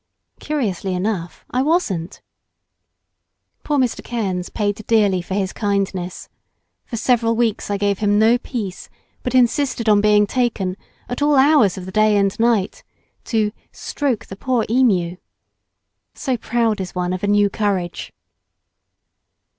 Curiously enough I wasn't. Poor Mr. Kearns paid dearly for his kindness. For several weeks I gave him no peace, but insisted on being taken, at all hours of the day and night to "stroke the poor emu." So proud is one of a new courage.